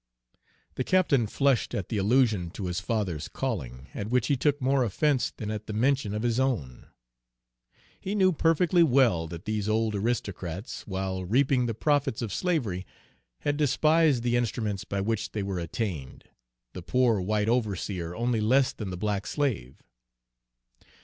The captain flushed at the allusion to his father's calling, at which he took more offense than at the mention of his own. He knew perfectly well that these old aristocrats, while reaping the profits of slavery, had despised the instruments by which they were attained the poor white overseer only less than the black slave.